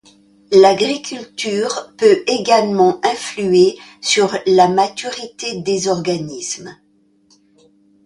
L'agriculture peut également influer sur la maturité des organismes.